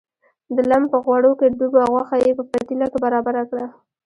د لم په غوړو کې ډوبه غوښه یې په پتیله کې برابره کړه.